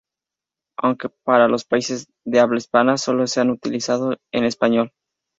Aunque para los países de habla hispana, solo se ha utilizado en español.